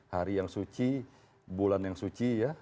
hari yang suci bulan yang suci ya